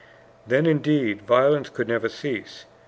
Then, indeed, violence could never cease.